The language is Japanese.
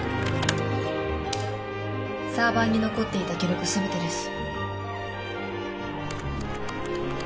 サーバーに残っていた記録全てです